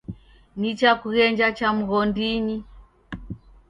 Nichakughenja cha mghondinyi.